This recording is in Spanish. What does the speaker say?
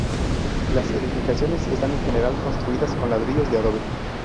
Las edificaciones están, en general, construidas con ladrillos de adobe.